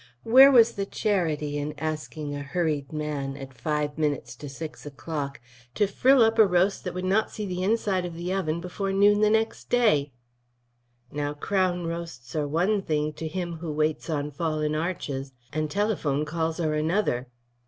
Where was the charity in asking a hurried man at five minutes to six o'clock to frill up a roast that would not see the inside of the oven before noon next day? Now, crown roasts are one thing to him who waits on fallen arches, and telephone calls are another.